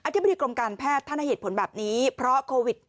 ธิบดีกรมการแพทย์ท่านให้เหตุผลแบบนี้เพราะโควิด